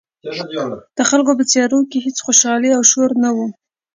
د خلکو په څېرو کې هېڅ کوم خوشحالي او شور نه و.